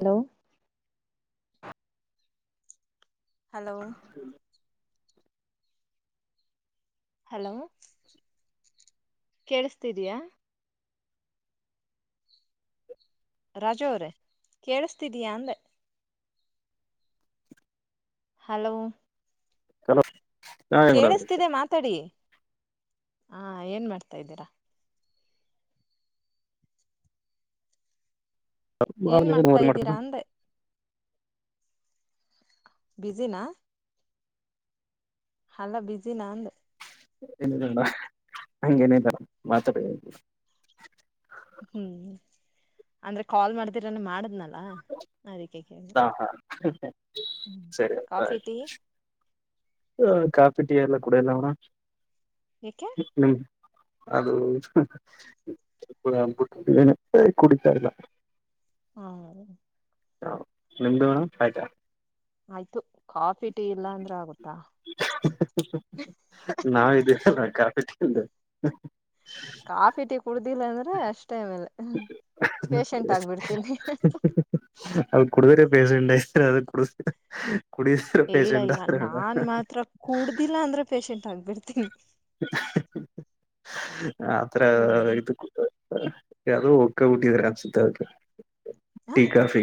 Hello hello hello ಕೇಳಿಸ್ತಿದಯಾ ರಾಜುಅವ್ರೆ ಕೇಳ್ಸ್ತಿದೀಯಾ ಅಂದೆ ಹಲೋ ಕಲ ಕೇಳಿಸ್ತಿದೆ ಮಾತಾಡಿ ಹಾ ಏನ್ ಮಾಡ್ತ ಇದ್ದೀರಾ? ಏನ್ ಮಾಡ್ತಾ [unintelligible] ಬಿಜಿನಾ ಅಲ್ಲ ಬಿಜಿನಾ ಅಂದೆ ಏನ್ [unintelligible] ಹಂಗೇನಿಲ್ಲ ಮಾತಾಡಿ [unintelligible] ಹ್ಮ್ ಅಂದ್ರೆ ಕಾಲ್ ಮಾಡ್ತೀರನೆ ಮಾಡದ್ ಹಾ ಅದಿಕ್ಕೆ ಹಾ ಹಾ ಸರಿ ಕಾಫಿ ಆಯ್ತು ಟೀ ಹ ಕಾಪಿ ಟೀ ಎಲ್ಲಾ ಕೂಡಿಯಲ್ಲಮ ಏಕೆ ಹ್ಮ್ ಅದು ನಾನ ಬಿಟ್ಬಿಟ್ ಇದ್ದೀನಿ ಕುಡಿತಾ ಇಲ್ಲ ಹ್ಮ ಹ ನಿಮ್ದು ಮೇಡಂ ಆಯ್ತ ಆಯ್ತು ಕಾಫಿ ಟೀ ಇಲ್ಲಾ ಅಂದ್ರ ಆ ನಾವ ಇದ್ದೀರಲ್ಲಾ ಕ [unintelligible] ಕಾಫಿ ಟೀ ಕುಡ್ದಿಲ್ಲ ಅಂದ್ರೆ ಅಷ್ಟೇ ಮೇಲೆ ಪೇಶಂಟ್ ಆಗ್ಬಿಡ್ತೀನಿ ನೆಸ್ಟು ಅದೆ ಕೂಡ್ಸ್ ಕುಡಿದಿರ ಇಲ್ಲ ಪೇಶೆಂಟ್, ಇಲ್ಲ ಆದ ನಾನ್ ಮಾತ್ರ ಕುಡ್ದಿಲ್ಲ ಅಂದ್ರೆ ಪೇಶೆಂಟ್ ಆಗ್ಬಿಡ್ತೀನಿ ಆತ್ರ ಹ್ಮ್ ಇದು [unintelligible] ಅನ್ಸುತ್ತೆ ಹ ಟೀ ಕಾಪಿ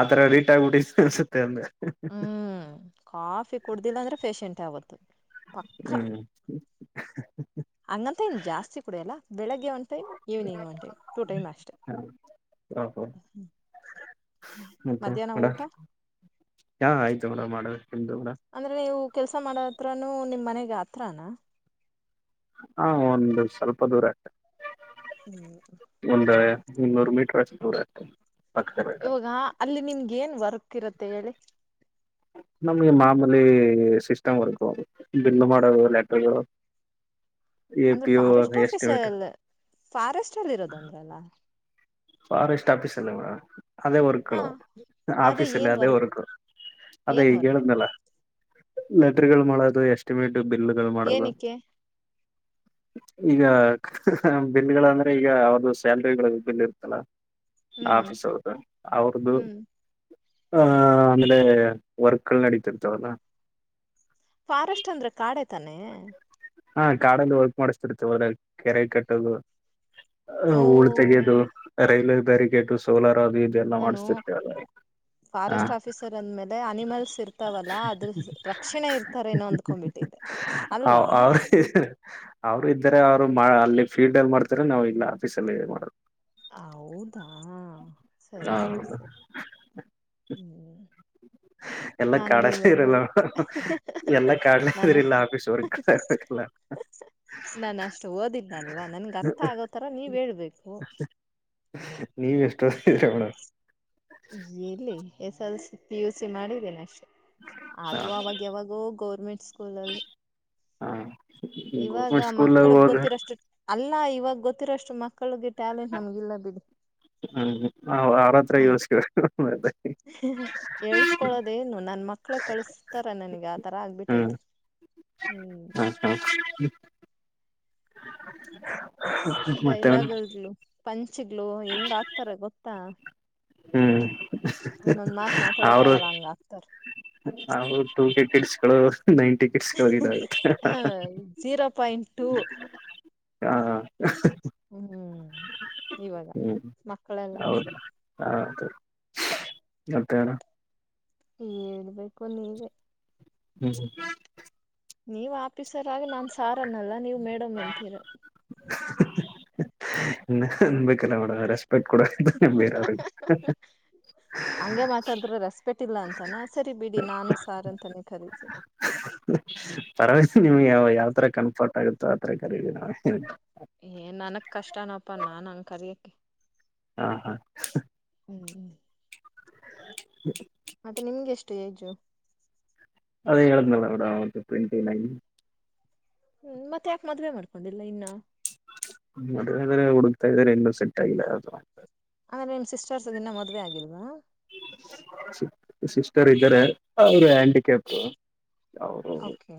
ಆತರ ಅಡಿಕ್ಟ್ ಆಗ್ಬಿಟ್ಟಿದಿರ ಅನ್ಸುತ್ತೆ ಅಂದೆ ಹ್ಮ್ ಕಾಫಿ ಕುಡ್ದಿಲ್ಲ ಅಂದ್ರೆ ಪೇಶಂಟೇ ಆವತ್ತು ಪಕ್ಕ ಹ್ಮ್ ಹಂಗಂತ ಇನ್ ಜಾಸ್ತಿ ಕುಡಿಯಲ್ಲ [unintelligible] ಬೆಳಿಗ್ಗೆ one time evening one time two time ಅಷ್ಟೇ ಮತ್ತೆ ಮಡ ಚಹಾ ಆಯ್ತು ಊಟ ಮಾಡದೆ ಅಂದ್ರೆ ನೀವು ಕೆಲ್ಸ ಮಾಡದ ಹತ್ರಾನ ನಿಮ್ ಮನೆಗ್ ಹತ್ರನಾ ಹಾ ಒಂದು ಸ್ವಲ್ಪ ದೂರ ಅಷ್ಟೆ ಹ್ಮ್ ಹ ನೂರು ಮೀಟರ್ಸ್ ದೂರ ಪಕ್ಕದಲ್ಲೇ ಇದೆ. ಇವಾಗ ಅಲ್ಲಿ ನಿಮಗೆ ಏನ್ ವರ್ಕ್ ಹತ್ತಿರುತ್ತೆ ಹೇಳಿ ನಮ್ಗೆ ಮಾಮೂಲಿ ಸಿಸ್ಟಮ್ ವರ್ಕ್ ಬಲ್ ಮಾಡದು ಲ್ಯಾಟಗಳು ಅಂದ್ರೆ ಫಾರೆಸ್ಟ್ ಆಫೀಸಲ್ಲಿ ಫಾರೆಸ್ಟ್ ಅಲ್ಲಿ ಇರೋದಂದ್ರಲ್ಲ ಫಾರಸ್ಟ್ ಆಫೀಸ್ ಇಲ್ಲ ಮ ಅದೇ ಹಾ ವರ್ಕ್ಗಳು ಆಫೀಸ ಅಲ್ಲಿ ಅದೇ ವರ್ಕ್ ಅದೇ ಏನ್ ಈಗ ವರ್ಕ್ ಹೇಳಿದನಲ್ಲ ಲೆಟರ್ ಗಳು ಮಾಡೋದು ಎಸ್ಟಿಮೇಟ್ ಬಿಲ್ಲಗಳು ಮಾಡದು ಏನಕ್ಕೆ ಈಗ ಬಿಲ್ಗಳ ಅಂದ್ರೆ ಈಗ ಅವ್ರ್ದು ಸ್ಯಾಲ್ರಿಗಳು ಬಿಲ್ ಹಲೋ ಹ್ಮ್ ಆಫೀಸ್ ಅವ್ರ್ದು ಅವರದು ಹ್ಮ್ ಆಹ ಆಮೇಲೆ ವರ್ಕ್ಲ್ ನಡತಿರ್ತವಲ್ಲ ಫಾರೆಸ್ಟ್ ಅಂದ್ರೆ ಕಾಡೆ ತಾನೆ ಹಾ ಕಾಡಲ್ಲಿ ವರ್ಕ್ ಮಾಡಿಸತಿರ್ತವೆ ಅಲ್ಲ ಕೆರೆ ಕಟ್ಟದು ಹ ಓ ಹೂಳು ತೆಗೆಯೋದು ರೈಲು ಬೇರಿಗೇಟು ಸೋಲಾರ ನಾನು ಹ ಫಾರೆಸ್ಟ್ ಆಫೀಸರ್ ಅಂದ್ಮೇಲೆ ಅನಿಮಲ್ಸ್ ಇರ್ತಾವಲ್ಲಾ ಅದ್ರ ರಕ್ಷಣೆ ಇರ್ತಾರೇನೋ ಅಂದ್ಕೊಂಡ್ಬಿಟ್ಟಿದ್ದೆ ಅಲ್ವಾ ಅವ್ರು ಇದ್ದಾರೆ ಅವ್ರು ಅಲ್ಲಿ ಫೀಡ್ ಅಲ್ಲಿ ಮಾಡ್ತರ ನಾವು ಇಲ್ಲ ಆಫೀಸ ಅಲ್ಲಿ ಮಾಡದು ಹೌದಾ ಹ ಸರಿ ಸರಿ ಸರಿ ಹ್ಮ್ ಎಲ್ಲ ನಾನು ನಿಮ ಕಾಡಲ್ಲೇ ಇರಲ್ಲ ಹ ಎಲ್ಲ ಕಾಡ್ಲ ನಾನು ಇದ್ರಿಲ್ಲ ಆಫೀಸ್ ವರ್ಕ್ ಇರ್ಬೇಕಲ್ಲ ನಾನು ಅಷ್ಟು ಓದಿಲ್ಲಲ್ವಾ ನನ್ಗೆ ಅರ್ಥ ಆಗೋತರ ನೀವ್ ಹೇಳ್ಬೇಕು ನೀವುಎಷ್ಟೊರ ಅವಡ ಜಲಿ S L C P U C ಮಾಡಿದ್ದೇನೆ ಅಷ್ಟು ಹ ಅದು ಅವಾಗ ಯಾವಾಗೋ ಗೌರ್ಮೆಂಟ್ ಸ್ಕೂಲ್ಲಲ ಲ್ಲಿ ಹ ಇವಾಗ ಗೌರ್ಮೆಂಟ್ ಸ್ಕೂಲ್ ಮಕ್ಕಳಗ್ ಹೋದ ಗೊತ್ತಿರಷ್ಟು ಅಲ್ಲ ಇವಾಗ ಗೊತ್ತಿರೋಷ್ಟು ಮಕ್ಕಳಿಗೆ. ಟ್ಯಾಲೆಂಟ್ ನಮ್ಗೆ ಇಲ್ಲ ಬಿಡಿ ಹ್ಮ್ ನ ಅವರ ಹತ್ರ ಯೋಸ್ಕವಿ ಎಳ್ಸ್ಕೊಳೋದೇನು ನನ್ ಮಕ್ಳೇ ಕಳ್ಸ್ತಾರ ನನ್ಗ್ ಆತರ ಆಗ್ಬಿಟ್ಟೈತಿ ಹ್ಮ್ ಹ್ಮ ಹಾ [inaudible] ಮತ್ತೆ ಮೇಡಂ ಡೈಲಾಗ್ಲೂ ಪಂಚಿಗ್ಲೋ ಹೆಂಗ್ ಆಗುತ್ತಾರೆ ಗೊತ್ತಾ?. ಹ್ಮ್ ಇನ್ನೊಂದ ಮಾತ್ ಮಾತಾಡೋಕೆ ಆಗಲ್ಲ ಹಂಗ ಹಾಕುತ್ತಾರೆ ಅದು ಟು ಕೆ ಕಿಡ್ಸ್ಗಳು ನೈಂಟಿ ಕಿಡ್ಸ್ ಗಳು ಇದಾವೆ ಹ ಜೀರೋ ಪಾಯಿಂಟ್ ಟೂ ಹ ಹ್ಮ್ ಇವಾಗ ಮಕ್ಕಳೆಲ್ಲ, ಆಯಿತು ಮತ್ತೇನೂ? ಹೇಳಬೇಕು ನೀವೇ, ಹೂ ಹು ನೀವ್ ಆಫೀಸರ್ ಆಗ ನಾನ್ ಸಾರ್ ಅನ್ನಲ್ಲ ನೀವು ಮೇಡಮ್ ಅಂತೀರ. ನಾನು ಅನ್ನ ಬೇಕಲ್ಲ ಮಾಡೆಂ ಅವರೇ, ಹಾಗೇ ಮಾತಾಡಿದ್ರ ರೆಸ್ಪೆಟ್ ಇಲ್ಲ ಅಂತಾನ ಸರಿ ಬಿಡಿ ನಾನು ಸಾರ್ ಅಂತ ಕರೀತೀನಿ. ಕರಿತಿನಿ ಪರವಾಗಿಲ್ಲ ನಿಮಗೆ ಯಾವತರ ಕಂಫರ್ಟ್ ಆಗುತ್ತೋ ಆ ತರ ಕರಿರಿ ನಮಗೆ ಏನ್ ನನಗೆ ಕಷ್ಟಾ ನಪ್ಪ ನಾನು ಹಾಗೆ ಕರೆಯಕ್ಕೆ ಹಾ ಹ್ [inaudible] ಮತ್ತೆ ನಿಮಗೆ ಎಷ್ಟು ಏಜು ಅದೇ ಹೇಳಿದೆ ಅಲ್ವಾ ಮಾಮ್ ಟ್ವೆಂಟಿ ನೈನ್ ಹ್ಮ್ ಮತ್ತೆ ಯಾಕೆ ಮದುವೆ ಮಾಡ್ಕೊಂಡಿಲ್ಲ ಇನ್ನ? ಮದುವೆ ಆದ್ರೆ ಹುಡುಕ್ತಾ ಇದಾರೆ ಇನ್ನುೂ ಸೆಟ್ ಆಗಿಲ್ಲ ಇನ್ನೂ ನಿಮ್ ಸಿಸ್ಟರಸ್ದು ಮದುವೆ ಆಗಿಲ್ವಾ ಸಿಸ್ಟರ್ ಇದ್ದಾರೆ ಅವರು ಹ್ಯಾಂಡಿಕ್ಯಾಪ್ಟ ಅವ್ರು ಓಕೆ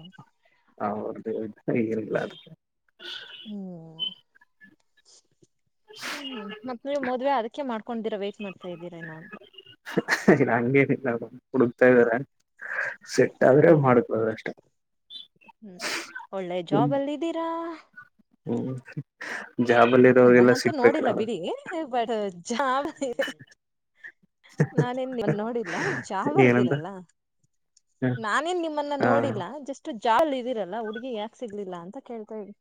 ಹೌದೇ ಅವರದು [unintelligible] ಹ್ಮ ಹ್ಮ ಮತ್ತ ನೀವ ಮದ್ವೆ ಅದಕ್ಕೆ ಮಾಡ್ಕೊಂಡ್ದೀರಾ ವೈಟ್ ಮಾಡ್ತಾ ಇದೀರಾ ಏನೋ ಅಂತ? ಅದ ಹಂಗೇನಿಲ್ಲ ಹುಡುಕ್ತಾ ಇದಾರೆ ಸೆಟ್ ಆದ್ರೆ ಮಾಡ್ಕೋದು ಅಷ್ಟೇ. ಹ್ಮ ಒಳ್ಳೆ ಜಾಬ್ ಅಲ್ಲಿ ಇದಿರಾ ಹ್ಮ ಹ ನಿಮ್ಮನ್ನಂತೂ ನೋಡಿಲ್ಲ ಬಿಡಿ ಬಟ್ ಜಾಬಲಿ ನಾನೇನ್ ನಿಮ್ಮನ್ ನೋಡಿಲ್ಲ ಏನಂತ ಜಾಬಲ್ಲಿದಿರಲ್ಲ ಹ ನಾನೇನ್ ನಿಮ್ಮನ್ನ ನೋಡಿಲ್ಲ ಜಸ್ಟ್ ಜಾಬಲ್ಲಿ ಇದೀರಲ್ಲ ಹುಡುಗಿ ಯಾಕ್ ಸಿಗ್ಲಿಲ್ಲ ಅಂತ ಕೇಳ್ ಹ್ಮು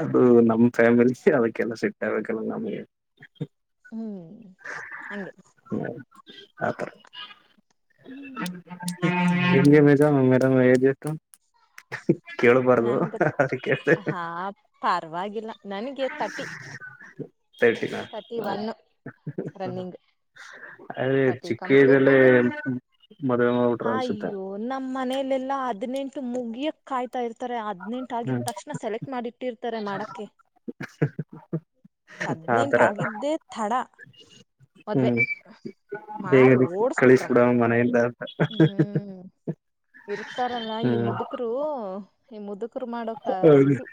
ಅದು ನಮ್ ಫ್ಯಾಮಿಲಿ ಅದಕ್ಕೆಲ್ಲ ಸೆಟ್ ಆಗ್ಬೇಕಲ್ಲ ನಮ್ಗೆ. ಹ್ಮ್ ಹಂಗೆ [unintelligible] ಆತರ [unintelligible] ಎಲ್ಲಿಗೆ ಮೇಡಮ್ ಮೇಡಮ್ ಏಜ್ ಎಷ್ಟು. ಕೇಳಬಾರ್ದು ನನ್ಗ ಅದಕ್ಕೆ ಹಾ ಪಾರವಾಗಿಲ್ಲ. ನನಗೆ ಟರ್ಟಿ. ತರ್ಟಿನ ಥರ್ಟಿ ಒನ್ನು ರನ್ನಿಂಗ್. ಅದೇ ಥರ್ಟಿ ಚಿಕ್ಕ ಏಜಲ್ಲೇ ಕಂಪ್ಲಿಟೆಡ್ ಮದುವೆ ಮಾಡ್ಬಿಟ್ರು ಅನ್ಸುತ್ತೆ ಅಯ್ಯೋ ನಮ್ಮ ಮನಲೆಲ್ಲ ಹದಿನೆಂಟು ಮುಗಿಯಕ್ ಕಾಯ್ತಾ ಇರ್ತ ತರೆ ಹದ್ನನೆಂಟ ಆಗಿದ ಹ್ಮ್ ತಕ್ಷಣ ಸೆಲೆಕ್ಟ್ ಮಾಡಿಟ್ಟಿರ್ತಾರೆ ಮಾಡಾಕ್ಕೆ ಹದ್ನೆಂಟ ಆತರ ಆಗಿದ್ದೇ ಥಡಾ ಮದ್ವೆ. ಹ್ಮ್ ಮಾಡಿ ಬೇಗ ಓಡ್ಸ್ಬಿಟ್ರಂಗೆ ಕಳಿಸಬಿಡೋಣ ಮನೆಯಿಂದ ಅಂತ ಹ್ಮ್ ಇರ್ತಾರಲ್ಲ ಈ ಹ್ಮ್ ಮುದುಕ್ರೂ ಈ ಮುದಕ್ [unintelligible] ಮಾಡೋಕ ಹೌದು ಇದು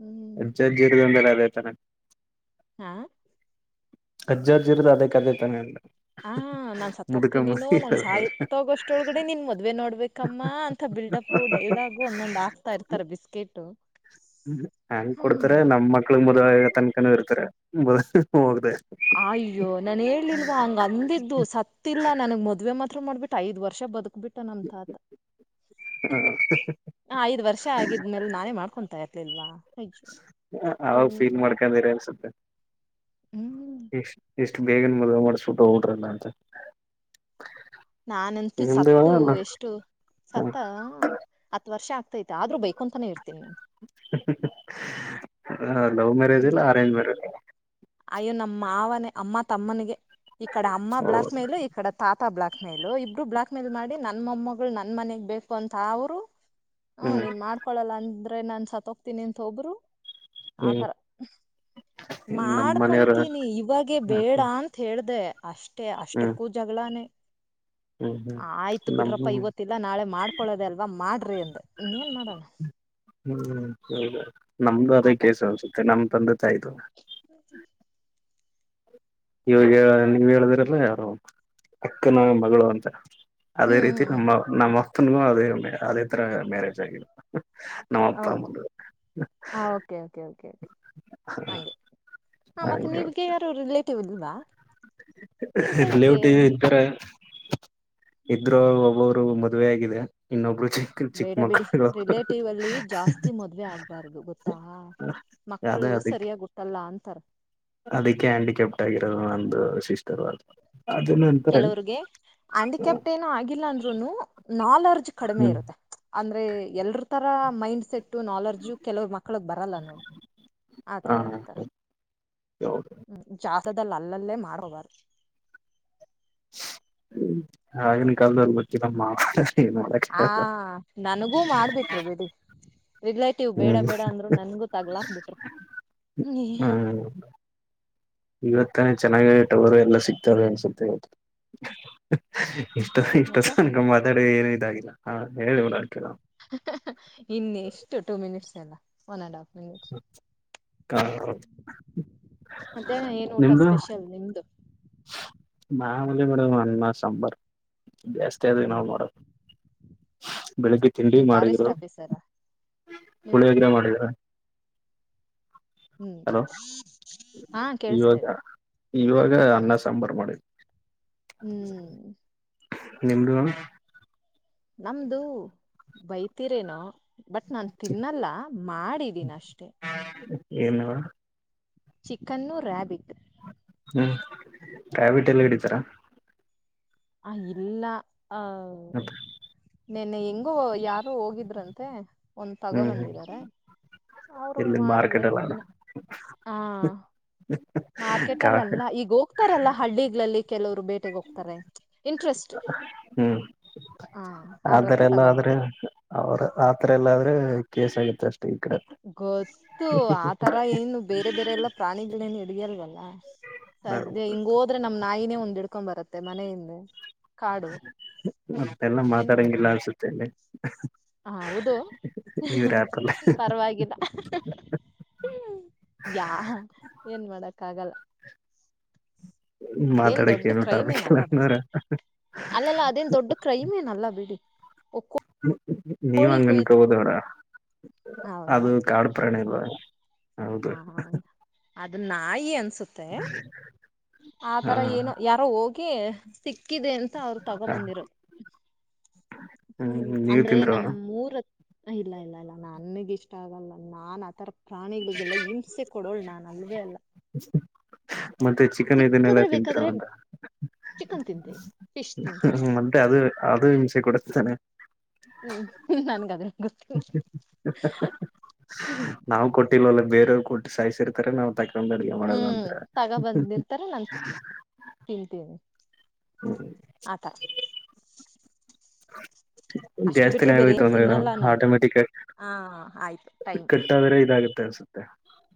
ಹ್ಮ್ ಅಜ್ಜ, ಅಜ್ಜಿ ಇದ್ರೇನೆ [unintelligible] ಎಟ್ ಚನ್ನಾಗಿ ಹಾ ಅಜ್ಜ, ಅಜ್ಜಿ ಇದ್ರ ಅದೇ ಕದೇ ತಾನೆ ಅಂದೆ. ಹಾ ನಾನ್ ಸತ್ತ ಹೋಗ್ತೀನೇನೋ ನನ್ ಸಾಯತ್ಗೋಷ್ಟೊಳಗಡೆ ನಿನ್ ಮದ್ವೆ ನೋಡ್ಬೇಕಮ್ಮ ಅಂತ ಬಿಲ್ಡಪು ಡೈಲಾಗು ಒಂದೊಂದ್ ಆಗ್ತಾ ಇರ್ತಾರ ಬಿಸ್ಕೆಟು. ಹೆಂಗ್ ಕೊಡ್ತಾರೆ ನಮ್ ಮಕ್ಳಗ್ ಮದುವ ತನಕನೂ ಇರ್ತಾರೆ. ಹೋಗ್ರೆ ಅಯ್ಯೋ ನಾನ ಹೇಳೇಲಿಲ್ವಾ ಹಂಗ ಅಂದಿದ್ದು ಸತ್ತಿಲ್ಲ ನನ್ಗ್ ಮದ್ವೆ ಮತ್ತ [unintelligible] ಮಾಡಬಿಟ್ಟ ಐದ್ ವರ್ಷ ಬದುಕ್ ಬಿಟ್ಟ ನಮ ತಾತ ಐದ್ ವರ್ಷ ಆಗಿದ್ಮೇಲೆ ನಾನೇ ಮಾಡ್ಕೊಂತ ಇಲ್ವಾ ಅವಾಗ್ ಫೀಲ್ ಮಾಡ್ಕೊರ್ [unintelligible] ಹ್ಮ್ ಇಷ್ಟ್ ಇಷ್ಟು ಬೇಗನ್ ಮದುವೆ ಮಾಡಸುಟ್ಟ ಹೋಗ್ ಬಿಡ್ರತ್ತ ಅಂತ. ನಾನಂತೂ ನಿಮ್ದು ಸತ್ತು ಅಲ್ಲ ಎಷ್ಟು ಸತ್ತ ಹತ್ ವರ್ಷ ಆಗ್ತೈತೆ ಆದ್ರೂ ಬೈಕೊಂತಾನೆ ಇರ್ತೀನಿ ನಾನು ಹ [unintelligible] ಲವ್ ಮ್ಯಾರೇಜ್ ಹ್ಮ್ ಇಲ್ಲ ಅರೆಂಜ್ ಮ್ಯಾರೇಜ್ ಅಯ್ಯೋ ನಮ್ ಮಾವನೆ ಅಮ್ಮ ತಮ್ಮನಿಗೆ ಈ ಕಡೆ ಅಮ್ಮ ಬ್ಲಾಕ್ ಮೇಲು ಈ ಕಡೆ ತಾತ ಬ್ಲಾಕ್ ಮೇಲು ಮೇಲು ಇಬ್ರು ಬ್ಲಾಕ್ ಮೇಲು ಮಾಡಿ ನನ್ ಮೊಮ್ಮಗಳ್ ನನ್ ಮನೆಗ್ ಬೇಕು ಅಂತ ಅವ್ರು ಹ್ಮ ಹ್ಮ್ ನೀನ್ ಮಾಡ್ಕೊಳಲ್ಲ ಅಂದ್ ನಾನ್ ಸತ್ ಹೋಗ್ತೀನಿ ಅಂತ ಒಬ್ರು ಹ್ಮ್ ಆತರ ನಮ್ ಮಾಡ್ ಮನೆಯವ್ರ ಮಾಡ್ಕೊಂತೀನಿ ಇವಾಗೇ ಹ್ಮ್ ಬೇಡ ಅಂತ್ ಹೇಳ್ದೆ [unintelligible] ಅಷ್ಟೆ ಅಷ್ಟುಕ್ಕೂ ಜಗಳಾನೇ ಹ್ಮ್ ಹ್ಮ್ ಆಯ್ತು ನಮ್ ಬಿಡ್ರಪ್ಪ ಹ್ಮ್ ಇವತ್ತಿಲ್ಲ ನಾಳೆ ಮಾಡ್ಕೊಳ್ಳೋದೆ ಅಲ್ವಾ ಮಾಡ್ರಿ ಅಂದೆ ಇನ್ನೇನ್ ಮಾಡಣ ಹ್ಮ್ ಹೌದು ನಮ್ದು ಅದೇ ಕೇಸ್ ಅನ್ಸುತ್ತೆ [unintelligible] ತಾಯ್ತು ಇವಾಗ ನೀವ್ ಹೇಳಿದ್ರಲ್ಲ ಯಾರೊ ಅಕ್ಕನ ಮಗಳು ಅಂತ ಅದೇ ಹ್ಮ್ ರೀತಿ ಹ್ಮ್ ಹ್ಮ್ ನಮ್ಮ ನಮ್ ಪ್ಪುನು ಅದೆ ಅದೇ ತರ ಮ್ಯಾರೇಜ್ ಆಗಿ ಹೌ ಹಾ ಓಕೆ ಓಕೆ ಓಕೆ ಆ ಹೇಳಿ ಮತ್ತೆ ನಿಮ್ಗೆ ಯಾರು ರಿಲೇ ಟಿವ್ ಇಲ್ವಾ ಇರ್ಬೇಕೆ ರಿಲೌಟಿ ಹ್ಮ್ [unintelligible] ಇದ್ರು ಒಬ್ರು ಮದುವೆ ಆಗಿದೆ ಇನ್ನೊಬ್ಳು ಬೇಡ ಬಿಡಿ ರಿಲೇಟಿವ್ ಅಲ್ಲಿ ಜಾಸ್ತಿ ಮದ್ವೆ ಆಗ್ಬಾರ್ದು ಗೊತ್ತಾ ಮಕ್ಕಳು ಸರಿಯಾಗ್ ಹುಟ್ಟಲ್ಲ ಅಂತರೆ ಅದಿಕ್ಕೆ ಹ್ಯಾಂಡಿಕ್ಯಾಪ್ಟ್ ಆಗಿರೋದು ನಂದು ಸಿಸ್ಟರು ಕೆಲವ್ರಗೆ ಆ್ಯಂಡಿಕ್ಯಾಪ್ಟ್ ಏನು ಆಗಿಲ್ಲ ಅಂದ್ರುನು ನಾಲೆಜ್ ಕಡಿಮೆ ಹ್ಮ್ ಇರುತ್ತೆ ಅಂದ್ರೆ ಎಲ್ರ ತರ ಅ ಮೈಂಡ್ಸೆಟ್ ನಾಲೆರ್ಜು ಕೆಲುವ್ರ್ ಮಕ್ಳಿಗ್ ಬರಲ್ಲ ನೋಡ್ ಆತರ ಹ ಇರ್ತಾರೆ ಹೌದು ಹ್ಮ್ ಜಾಸ್ ದಲ್ ಅಲ್ಲಲ್ಲೇ ಮಾರವಾರ್ ಹ್ಮ ಆಗಿನ್ ಕಾಲದವರ್ [unintelligible] ಹ ನನ್ಗೂ ಮಾಡ್ಬಿಟ್ರು ಬೀಡಿ ರಿಲೇಟಿವ್ ಬೇಡ ಹ್ಮ್ ಬೇಡ ಅಂದ್ರು ನನ್ಗೂ ತಗ್ಲಾಕ್ ಬಿಟ್ರು ನೇ ಇವತ್ತ ಚೆನ್ನಾಗಿ ಟವರೆ ಎಲ್ಲ ತರೆ ಅನ್ಸುತ್ತೆ ಇಷ್ಟೊ ಮತ್ತೆ ಇಷ್ಟನ್ತಂಕ ಮಾತಾಡ್ ಏನು ಇದಾಗಿಲ್ಲ ಹ ಹೇಳಿಲ್ವ ಡಾಕ್ಟ್ರೆಲ್ಲ ಇನ್ ಎಷ್ಟು ಟೂ ಮಿನಿಟ್ಸ್ ಎಲ್ಲ ಒನ್ ಅಂಡ್ ಆಫ್ ಕ [unintelligible] ಮದ್ಯಾನ ಏನ್ ಊಟ ಸ್ಪೆಷಲ್ ನಿಮ್ದು ಮಾಮೂಲಿ ಮೇಡಂ ಅನ್ನ ಸಾಂಬಾರ್ ಜಾಸ್ತಿ ಅದೇ ನಾವ್ ಹ್ಮ್ ಮಾಡೋದು ಬೆಳಿಗ್ಗೆ ತಿಂಡಿ ನೀವ್ ಫಾರೆಸ್ಟ್ ಮಾಡಿದ್ರು ಆಫೀಸರಾ ನೀವ್ ಪುಳಿಯೊಗ್ರೆ ಮಾಡಿದ್ರು ಹ್ಮ್ ಹಾ ಇವಾಗ ಕೇಳ್ಸ್ತಾಇದೆ ಇವಾಗ ಅನ್ನ ಸಾಂಬಾರು ಮಾಡಿದ್ರ್ ಹ್ಮ್ ನಿಮ್ದು ಮೇಡಂ ನಮ್ದು ಬೈತೀರೇನೋ ಬಟ್ ನಾನ್ ತಿನ್ನಲ್ಲ ಮಾಡಿದಿನ್ ಅಷ್ಟೆ ಏನ್ನ ಮೇಡಂ ಚಿಕನ್ನು ರಾಬಿಟ್ ಹ್ಮ್ ರಾಬಿಟ್ ಎಲ್ಲ ಇಡಿತರ? ಹ ಇಲ್ಲ ಹ ನಿನ್ನೆ ಎಂಗೋ ಯಾರ್ ರು ಹೋಗಿದ್ರಂತೆ ಒಂದ್ ತಗೋ ಹ್ಮ್ ಹ್ಮ್ ಬಂದಿದಾರ ಅವ್ರಗ್ ಇಲ್ಲಿ ಮಾಡ್ದೆ ಮಾರ್ಕೆಟ್ ಎಲ್ಲ ಇನ್ನ ಹ ಮಾರ್ಕೆಟ್ ಕಾ ಅಲ್ಲಲ್ಲ ಈಗ ಹೋಗ್ತಾರಲ್ಲ ಹಳ್ಳಿಗ್ಳಲ್ಲಿ ಕೆಲುವ್ರು ಬೇಟೆಗ್ ಹೋಗ್ತಾರೆ ಇಂಟ್ರೆಸ್ಟ್ ಹ್ಮ್ ಹ ಅವ್ರ ಆತರ ಹತ್ರ ಎಲ್ಲಾ ಆದ್ರೆ ತಗೊಬಂದಿರೋದು ಅವ್ರ ಆತರ ಎಲ್ಲಾದ್ರೆ ಕೇಸ ಆಗುತ್ತೆ ಅಷ್ಟೇ ಈ ಕಡೆ ಗೊತ್ತು ಆತರ ಏನು ಬೇರೆ ಬೇರೆ ಎಲ್ಲಾ ಪ್ರಾಣಿಗಳ್ನೆನ್ ಇ ಇಡಿಯಲ್ವಲ್ಲ ಸದ್ಯ ಹಿಂಗ ಓ ಆದ್ರೆ ನಮ್ ನಾಯಿನೇ ಒಂದ್ ಹಿಡ್ಕೊಂಡ್ ಬರತ್ತೆ ಮನೆಯಿಂದೆ ಮತ್ತೆಲ್ಲ ಮಾತಾಡಂಗಿಲ್ಲ ಅನ್ಸುತ್ತೆ ಇಲ್ಲಿ ಹ ಹೌದು ಇವ್ರ ಆಪಲ್ಲಿ ಪರವಾಗಿಲ್ಲ ಯಾ ಏನ್ ಮಾಡಕ್ಕ ಆಗಲ್ಲ ಅದೇನ್ ದೊಡ್ಡ ಮಾತಾಡಕ್ಕೆನು ಕ್ರೈಮ್ ಟಫಿಕ್ ಏನ್ ಅಲ್ಲ ಬಿಡಿ ಹ [unintelligible] ಹ್ಮ ನೀವ್ ಹಂಗನ್ಕ ಹೋದವ್ರ ಹೌದಾ ಅದು ಕಾಡು ಪ್ರಾಣ ಅಲ್ವಾ ಹೌದು ಹ [unintelligible] ಹೌದು ಅದಾ ನಾಯಿ ಅಂತ ಸುತ್ತೆ ಹಾ ಆತರ ಏನೋ ಯಾರೋ ಹೋಗಿ ಸಿಕ್ಕಿದೆ ಅಂತ ಅವ್ರು ತಗೋ ಹ ಬಂದಿರೋದು ಹ್ಮ್ ನೀವ್ ಅಂದ್ರೆ ತಿಂದ್ರು ನಮ್ಮ ರ [unintelligible] ಇಲ್ಲ ಇಲ್ಲ ಇಲ್ಲ ನನ್ಗ್ ಇಷ್ಟ ಆಗಲ್ಲ ನಾನ್ ಆತರ ಪ್ರಾಣಿಗಳು [unintelligible] ಲ್ಲ ಹಿಂಸೆ ಕೊಡೋಳ ನಾನ್ ಅಲ್ವೇ ಅಲ್ಲ ಮತ್ತೆ ಚಿಕನ್ ಇದನ್ನೆಲ್ಲಾ ಸಿಕ್ಕದ್ರೆ ತಿಂತರ ಬೇಕಾದ್ರೆ ಒ [unintelligible] ಚಿಕನ್ ತಿದಂತೇ [unintelligible] ಹ್ಮ ಮತ್ತೆ ಅದು ಅದು ಹಿಂಸೆ ಕೊಡತೇನನೆ ಹ್ಮ್ ನನ್ಗ ಅದ್ರ ಗೊತ್ತಿಲ್ಲ ನಾವವು ಕೊಟ್ಟಲ್ವಲ್ಲ ಬೇರೆ ಕೊಟ್ಟ ಸಾಯ್ ಇರ್ತಾರೆ ನಾ ತ ತಂದಡಿಗೆ ಮಾಡದ ಹ್ಮ್ ನಂತರ ತಗ ಬಂದಿರ್ತಾರೆ ಆತ [unintelligible] ಬಿಟ್ರೆ ಜಾಸ್ತಿನ ಬೇರೆ ಆಗೋಯ್ತು ಏನು ಒಂದ ತಿನ್ನಲ್ಲ ನಾನು ಆಟೋಮೆಟಿಕ್ ಹಾ ಆಯ್ತು ಟೈಮ್ ಕಟ್ಟಾದ್ರೆ ಇದಾಗುತ್ತೆ ಸತ್ತ ಸುತ್ತೆ